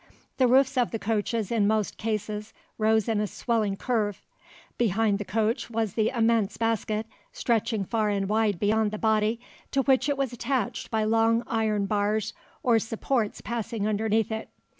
The roofs of the coaches in most cases rose in a swelling curve. Behind the coach was the immense basket, stretching far and wide beyond the body, to which it was attached by long iron bars or supports passing beneath it.